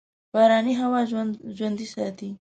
باراني هوا ژوندي ساتي.